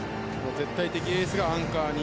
絶対的エースがアンカーに。